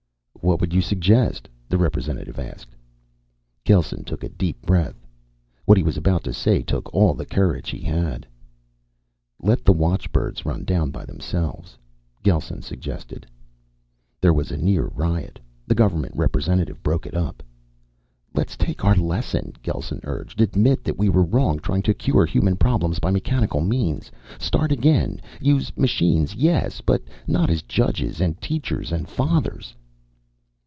"What would you suggest?" the representative asked. Gelsen took a deep breath. What he was about to say took all the courage he had. "Let the watchbirds run down by themselves," Gelsen suggested. There was a near riot. The government representative broke it up. "Let's take our lesson," Gelsen urged, "admit that we were wrong trying to cure human problems by mechanical means. Start again. Use machines, yes, but not as judges and teachers and fathers."